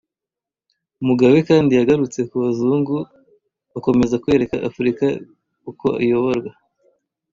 Mugabe kandi yagarutse ku bazungu bakomeza kwereka Afurika uko iyoborwa